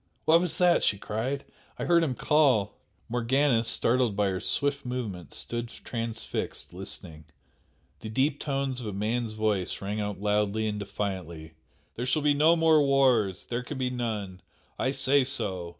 "What was that?" she cried "I heard him call!" Morgana, startled by her swift movement, stood transfixed listening. The deep tones of a man's voice rang out loudly and defiantly "There shall be no more wars! There can be none! I say so!